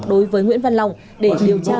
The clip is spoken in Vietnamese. đối với nguyễn văn long để điều tra